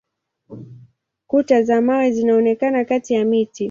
Kuta za mawe zinaonekana kati ya miti.